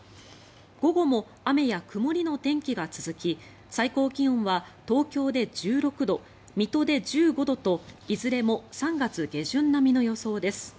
午後も雨や曇りの天気が続き最高気温は東京で１６度水戸で１５度といずれも３月下旬並みの予想です。